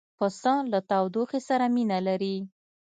پسه له تودوخې سره مینه لري.